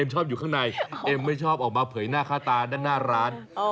ชอบอยู่ข้างในเอ็มไม่ชอบออกมาเผยหน้าค่าตาด้านหน้าร้าน